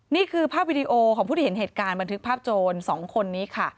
นี่คือภาพวิดีโอของผู้ที่เห็นเหตุการณ์บันทึกภาพโจร๒คนนี้ค่ะ